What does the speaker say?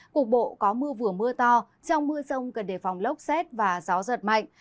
cục bộ có mưa vừa mưa to trong mưa rông cần đề phòng lốc xét và gió giật mạnh